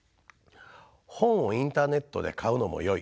本をインターネットで買うのもよい。